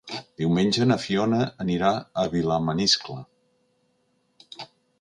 Diumenge na Fiona anirà a Vilamaniscle.